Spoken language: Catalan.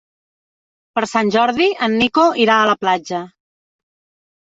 Per Sant Jordi en Nico irà a la platja.